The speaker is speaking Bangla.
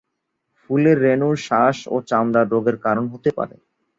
ফুলের রেণু শ্বাস ও চামড়ার রোগের কারণ হতে পারে।